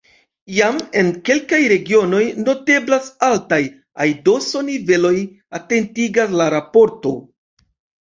Jam en kelkaj regionoj noteblas altaj aidoso-niveloj, atentigas la raporto.